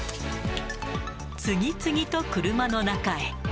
次々と車の中へ。